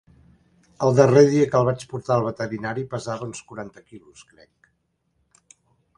El darrer dia que el vaig portar al veterinari pesava uns quaranta quilos, crec.